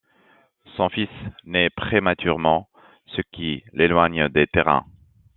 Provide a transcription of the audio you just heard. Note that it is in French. Son fils nait prématurément ce qui l’éloigne des terrains.